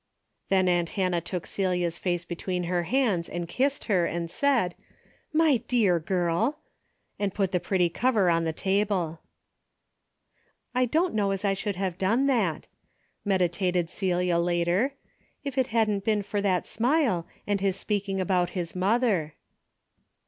Then aunt Hannah took Celia's face between her hands and kissed her and said, " My dear girl !" and put the pretty cover on the table. " I don't know as I should have done that," meditated Celia later, "if it hadn't been for that smile and his speaking about his mother."